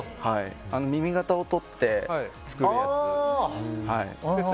耳型を取って作るやつです。